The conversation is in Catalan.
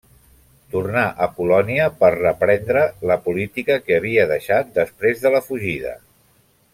Tornà a Polònia per reprendre la política que havia deixat després de la fugida.